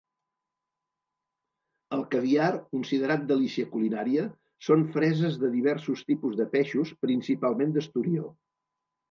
El caviar, considerat delícia culinària, són freses de diversos tipus de peixos, principalment d'esturió.